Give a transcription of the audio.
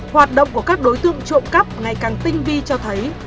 hoạt động của các đối tượng trộm cắp ngày càng tinh vi cho thấy